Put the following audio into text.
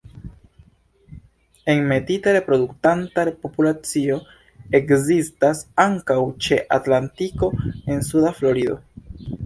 Enmetita reproduktanta populacio ekzistas ankaŭ ĉe Atlantiko en suda Florido.